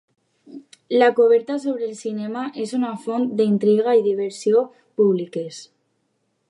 La coberta sobre el cinema és una font d'intriga i diversió públiques.